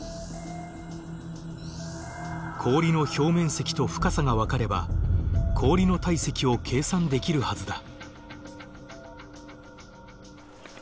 氷の表面積と深さが分かれば氷の体積を計算できるはずだ。